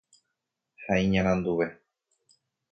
ha iñaranduve